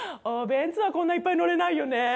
おベンツはこんないっぱい乗れないよね。